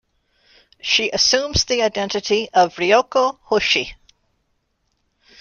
She assumes the identity of Ryoko Hoshi.